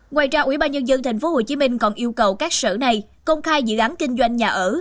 ngoài ra ủy ban nhân dân tp hcm còn yêu cầu các sở này công khai dự án kinh doanh nhà ở